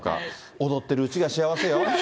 おどってるうちが幸せよ。